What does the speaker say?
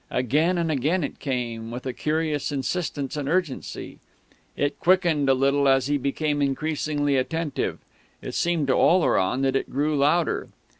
Again and again it came, with a curious insistence and urgency. It quickened a little as he became increasingly attentive ... it seemed to Oleron that it grew louder....